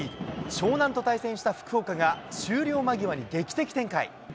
湘南と対戦した福岡が終了間際に劇的展開。